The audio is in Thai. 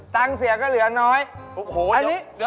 ตังค์เสียก็เหลือน้อยอก้มอะนี่